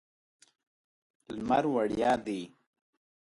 لمر وړیا دی.